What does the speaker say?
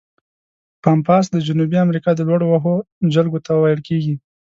پامپاس د جنوبي امریکا د لوړو وښو جلګو ته ویل کیږي.